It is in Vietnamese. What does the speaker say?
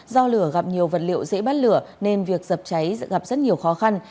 do lửa gặp nhiều vật liệu dễ bắt lửa nên việc dập cháy gặp rất nhiều khó khăn